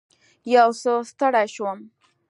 یو څه ستړې شوم.